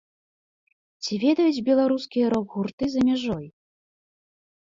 Ці ведаюць беларускія рок-гурты за мяжой?